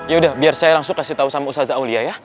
ya udah biar saya langsung kasih tahu sama usaza aulia ya